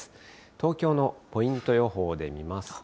東京のポイント予報で見ますと。